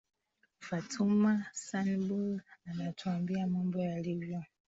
fatuma sanbur anatuambia mambo yalivyo